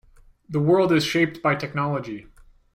The world is shaped by technology.